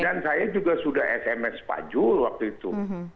dan saya juga sudah sms pak jul waktu itu